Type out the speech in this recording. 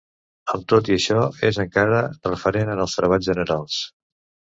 Amb tot i això és encara referent en els treballs generals.